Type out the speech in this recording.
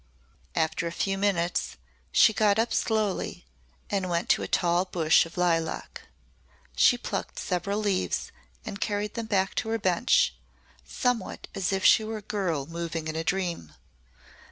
After a few minutes she got up slowly and went to a tall bush of lilac. She plucked several leaves and carried them back to her bench, somewhat as if she were a girl moving in a dream.